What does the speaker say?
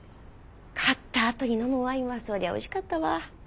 勝ったあとに飲むワインはそりゃおいしかったわ。